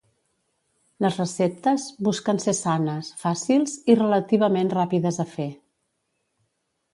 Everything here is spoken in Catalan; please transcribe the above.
Les receptes busquen ser sanes, fàcils i relativament ràpides a fer.